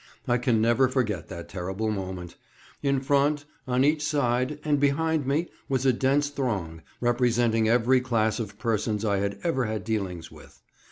I can never forget that terrible moment. In front, on each side, and behind me was a dense throng, representing every class of persons I had ever had dealings with.